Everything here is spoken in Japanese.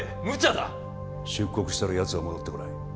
むちゃだ出国したらやつは戻ってこない